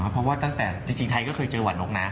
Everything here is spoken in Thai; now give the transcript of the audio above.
เพราะว่าตั้งแต่จริงไทยก็เคยเจอหวัดนกนะ